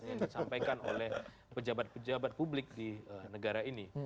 yang disampaikan oleh pejabat pejabat publik di negara ini